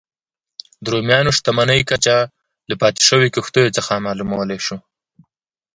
د رومیانو شتمنۍ کچه له پاتې شویو کښتیو څخه معلومولای شو